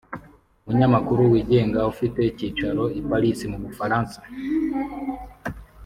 umunyamakuru wigenga ufite ikicaro i Paris mu Bufaransa